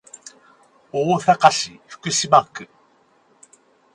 大阪市福島区